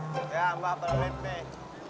ya ampah perlulit nih